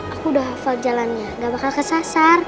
aku udah hafal jalannya gak bakal kesasar